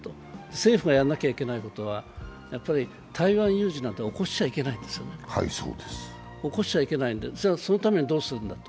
政府がやらなきゃいけないことは台湾有事なんて起こしちゃいけない、起こしちゃいけないんで、そのためにどうするんだと。